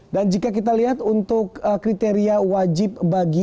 dan jika kita lihat untuk kriteria wajib bagi